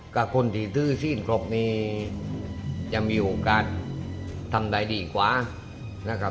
กับคนที่ซื้อสิ้นครบนี้จะมีโอกาสทำใดดีกว่านะครับ